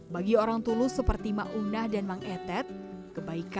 bagi orang tulus seperti mak una dan mang etet kebaikan tak pernah berhenti menghampiri mereka